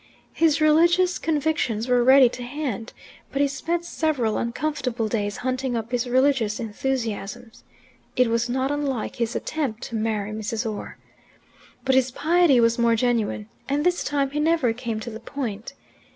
His religious convictions were ready to hand, but he spent several uncomfortable days hunting up his religious enthusiasms. It was not unlike his attempt to marry Mrs. Orr. But his piety was more genuine, and this time he never came to the point.